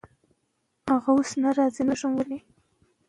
نېک اخلاق د هر انسان په ژوند کې تر ټولو لویه شتمني ده.